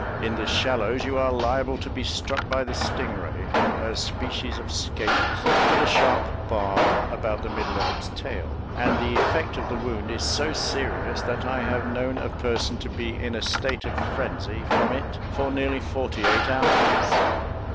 In the shallows you are liable to be struck by the stingray, a species of skate, with a sharp barb about the middle of its tail; and the effect of the wound is so serious, that I have known a person to be in a state of frenzy from it for nearly forty eight hours.